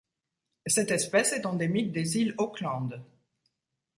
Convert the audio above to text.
Cette espèce est endémique des îles Auckland.